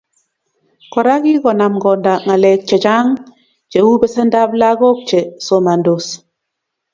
Kora kokikonam konda ngalek chechang cheu besendap lagok che somandos